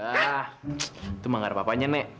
ah itu mah gak ada apa apanya nek